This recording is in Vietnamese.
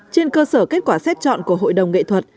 trên cơ sở kết quả xét chọn của hội đồng nghệ thuật